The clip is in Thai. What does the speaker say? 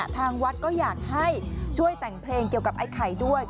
ทางวัดก็อยากให้ช่วยแต่งเพลงเกี่ยวกับไอ้ไข่ด้วย